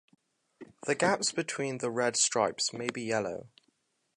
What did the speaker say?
The gaps between the red stripes may be yellow.